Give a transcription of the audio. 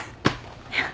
いや。